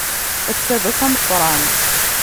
Ass-a d ass ameqran.